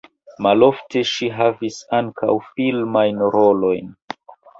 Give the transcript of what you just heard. Malofte ŝi havis ankaŭ filmajn rolojn.